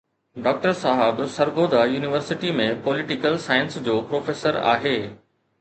Doctor صاحب Sargodha university ۾ political science جو professor آهي.